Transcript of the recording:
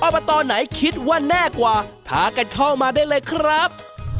อบตไหนคิดแน่กว่าท้ากันช่องมาได้เลยครับ